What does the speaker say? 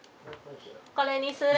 これにする？